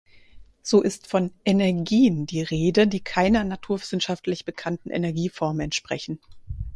So ist von "Energien" die Rede, die keiner naturwissenschaftlich bekannten Energieform entsprechen.